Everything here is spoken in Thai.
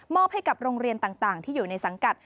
ให้กับโรงเรียนต่างที่อยู่ในสังกัด